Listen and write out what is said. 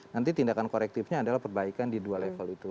nanti tindakan korektifnya adalah perbaikan di dua level itu